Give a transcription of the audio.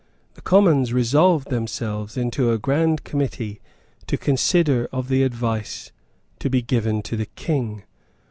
The Commons resolved themselves into a Grand Committee to consider of the advice to be given to the King.